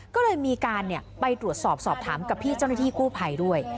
ก็เลยมีการไปตรวจสอบสอบถามกับพี่เจ้าหน้าที่กู้ภัยด้วย